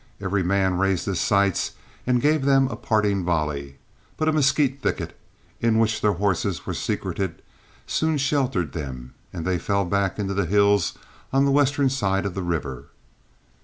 Every man raised his sights and gave them a parting volley, but a mesquite thicket, in which their horses were secreted, soon sheltered them and they fell back into the hills on the western side of the river.